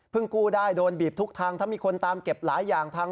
กู้ได้โดนบีบทุกทางถ้ามีคนตามเก็บหลายอย่างทาง